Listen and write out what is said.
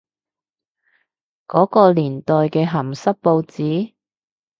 嗰個年代嘅鹹濕報紙？